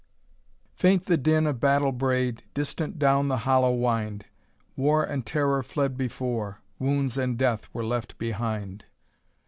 Faint the din of battle bray'd Distant down the hollow wind; War and terror fled before, Wounds and death were left behind.